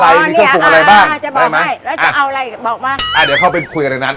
เออมีแต่ครัวผูงข้าวนะจะเอาสูตรอะไรอ่ะ